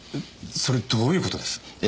それどういう事です？え？